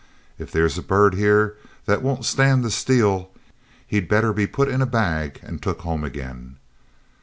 If there's a bird here that won't stand the steel he'd better be put in a bag and took home again.'